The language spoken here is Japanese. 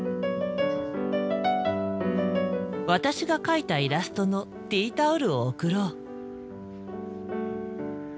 私が描いたイラストのティータオルを贈ろう。